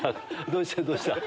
どうした？